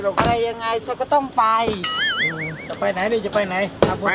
อะไรยังไงฉันก็ต้องไปจะไปไหนดิจะไปไหนครับผม